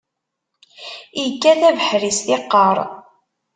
Ikkat abeḥri s tiqqaṛ.